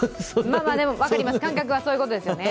分かります感覚はそういうことですよね。